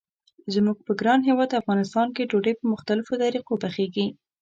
زموږ په ګران هیواد افغانستان کې ډوډۍ په مختلفو طریقو پخیږي.